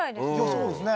そうですね